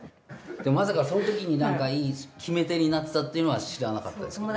まさかそのときになんか決め手になってたっていうのは知らなかったですけどね。